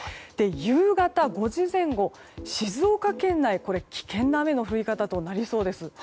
夕方５時前後、静岡県内危険な雨の降り方となりそうです。